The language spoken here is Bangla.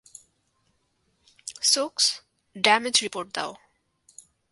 সোকস, ড্যামেজ রিপোর্ট দাও।